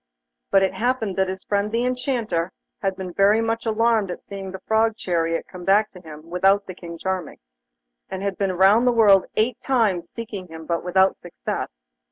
But it happened that his friend the Enchanter had been very much alarmed at seeing the Frog chariot come back to him without King Charming, and had been round the world eight times seeking him, but without success.